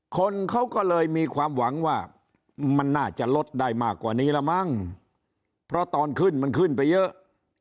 คนเขาก็เลยมีความหวังว่ามันน่าจะลดได้มากกว่านี้แล้วมั้งเพราะตอนขึ้นมันขึ้นไปเยอะ